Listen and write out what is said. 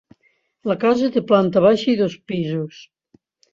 La casa té planta baixa i dos pisos.